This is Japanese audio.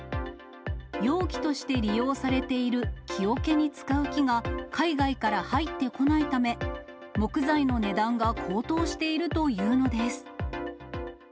容器として利用されている木おけに使う木が海外から入ってこないため、木材の値段が高騰しているというのです。